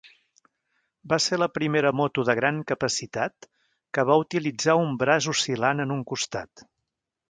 Va ser la primera moto de gran capacitat que va utilitzar un braç oscil·lant en un costat.